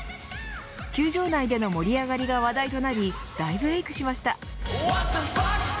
球場内での盛り上がりが話題となり大ブレークしました。